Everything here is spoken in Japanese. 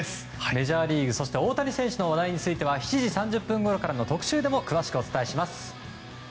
メジャーリーグそして大谷選手の話題については７時３０分ごろからの特集でも詳しくお伝えします。